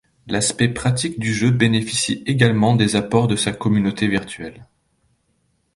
L'aspect pratique du jeu bénéficie également des apports de sa communauté virtuelle.